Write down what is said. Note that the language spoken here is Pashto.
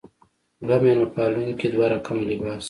دوه مېلمه پالونکې دوه رقمه لباس.